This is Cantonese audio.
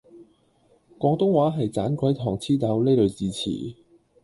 廣東話係盞鬼糖黐豆呢類字詞